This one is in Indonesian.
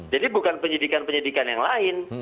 jadi bukan penyidikan penyidikan yang lain